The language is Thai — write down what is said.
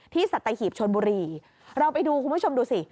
สัตหีบชนบุรีเราไปดูคุณผู้ชมดูสิ